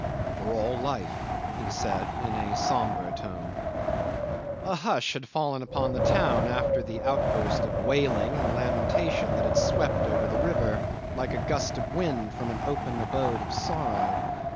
"For all life," he said, in a sombre tone. 'A hush had fallen upon the town after the outburst of wailing and lamentation that had swept over the river, like a gust of wind from the opened abode of sorrow.